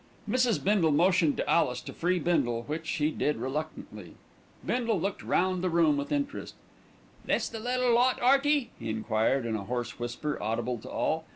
Mrs. Bindle motioned to Alice to free Bindle, which she did reluctantly. Bindle looked round the room with interest. "This the little lot, 'Earty?" he enquired in a hoarse whisper audible to all.